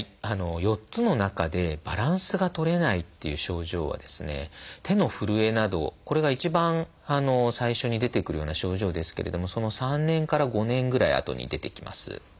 ４つの中で「バランスがとれない」っていう症状は「手のふるえ」などこれが一番最初に出てくるような症状ですけれどもその３年から５年ぐらいあとに出てきます。